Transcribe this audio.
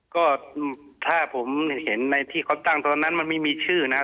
ก็ถ้าผมเห็นในที่เขาตั้งตอนนั้นมันไม่มีชื่อนะ